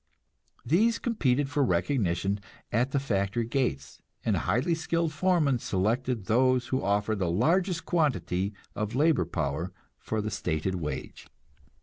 These competed for recognition at the factory gates, and highly skilled foremen selected those who offered the largest quantity of labor power for the stated wage.